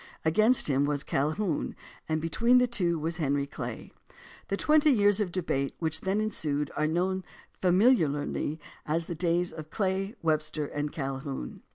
Against him was Calhoun, and between the two was Henry Clay. The twenty years of debate which then en JOHN C. CALHOUN 165 sued are known familiarly as the days of Clay, Web ster, and Calhoun.